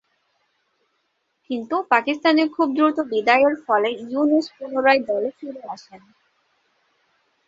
কিন্তু, পাকিস্তানের খুব দ্রুত বিদায়ের ফলে ইউনুস পুনরায় দলে ফিরে আসেন।